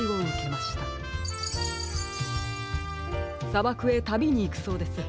さばくへたびにいくそうです。